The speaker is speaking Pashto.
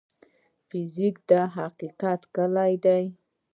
فزیک د حقیقت کلي ده.